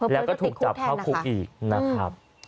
แล้วก็ถูกจับเข้าคุกอีกนะครับ